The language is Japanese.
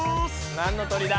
なんの鳥だ？